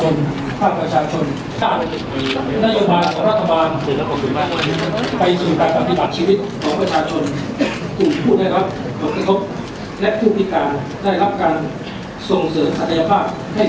รับทราบ